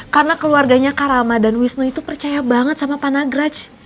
karena keluarganya karama dan wisnu itu percaya banget sama panagraj